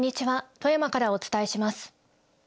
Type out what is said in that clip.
富山からお伝えします。